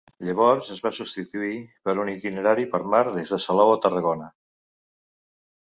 Llavors es va substituir per un itinerari per mar des de Salou o Tarragona.